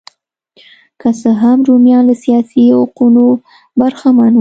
که څه هم رومیان له سیاسي حقونو برخمن وو